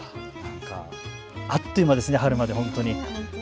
あっという間ですね、春まで。